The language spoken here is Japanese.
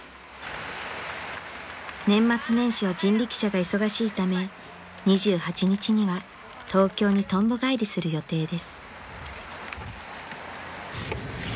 ［年末年始は人力車が忙しいため２８日には東京にとんぼ返りする予定です］